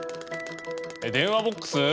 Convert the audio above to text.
電話ボックス？